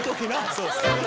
そうです。